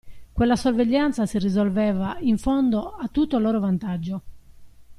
Quella sorveglianza si risolveva, in fondo, a tutto loro vantaggio.